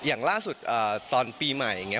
อย่างล่าสุดตอนปีใหม่อย่างนี้